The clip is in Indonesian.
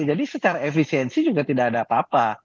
jadi secara efisiensi juga tidak ada apa apa